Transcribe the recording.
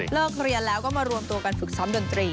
เลิกเรียนแล้วก็มารวมตัวกันฝึกซ้ำ